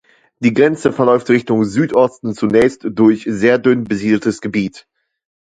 Die Grenze verläuft Richtung Südosten zunächst durch sehr dünn besiedeltes Gebiet.